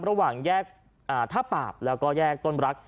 ระหว่างแยกท่าปาบแล้วก็แยกต้นรัก